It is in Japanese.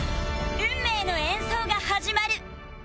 運命の演奏が始まる！